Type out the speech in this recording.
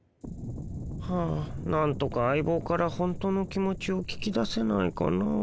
はあなんとか相ぼうから本当の気持ちを聞き出せないかなあ。